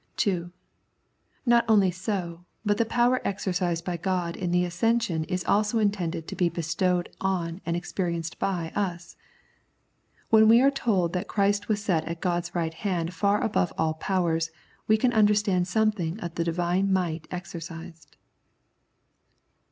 (2) Not only so, but the power exercised by God in the Ascension is also intended to be bestowed on and experienced by us. When we are told that Christ was set at God's right hand far above all powers, we can understand something of the Divine might exercised.